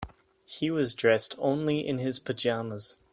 He was dressed only in his pajamas.